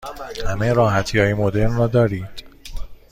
همه راحتی های مدرن را دارید؟